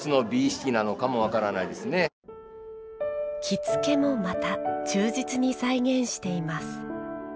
着付けも、また忠実に再現しています。